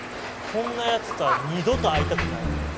こんな奴とは二度と会いたくないので。